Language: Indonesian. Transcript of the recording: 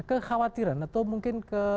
kekhawatiran atau mungkin ke